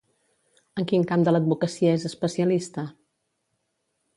En quin camp de l'advocacia és especialista?